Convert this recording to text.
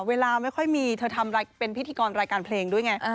ไม่ค่อยมีเธอทำเป็นพิธีกรรายการเพลงด้วยไง